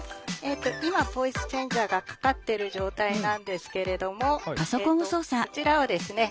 今ボイスチェンジャーがかかってる状態なんですけれどもえっとこちらをですね